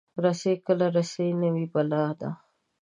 رسۍ کله رسۍ نه وي، بلا ده.